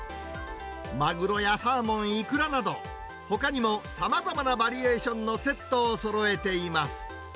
マグロやサーモン、イクラなど、ほかにもさまざまなバリエーションのセットをそろえています。